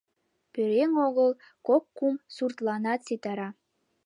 Пӧръеҥ огыл, кок-кум суртланат ситара.